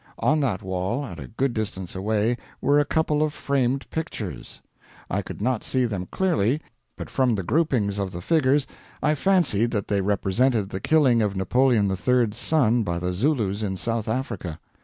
On that wall, at a good distance away, were a couple of framed pictures. I could not see them clearly, but from the groupings of the figures I fancied that they represented the killing of Napoleon III's son by the Zulus in South Africa.